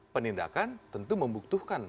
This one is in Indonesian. penindakan tentu membuktukan